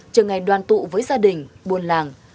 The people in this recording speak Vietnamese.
chờ ngày đoàn tụ với gia đình buôn làng